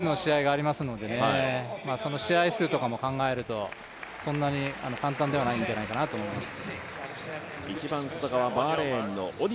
全米の学生はＮＣＡＡの試合もありますからその試合数とかも考えると、そんなに簡単ではないんじゃないかなと思います。